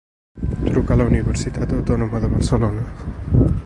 Trucar a la Universitat Autònoma de Barcelona.